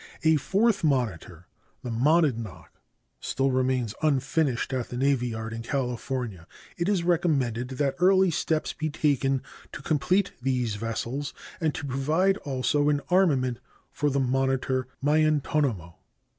A fourth monitor, the Monadnock, still remains unfinished at the navy yard in California. It is recommended that early steps be taken to complete these vessels and to provide also an armament for the monitor Miantonomoh.